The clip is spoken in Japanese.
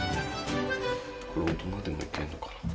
これ大人でも行けんのかな？